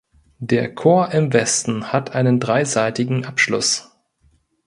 Der Chor im Westen hat einen dreiseitigen Abschluss.